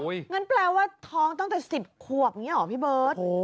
งั้นแปลว่าท้องตั้งแต่๑๐ขวบอย่างนี้หรอพี่เบิร์ต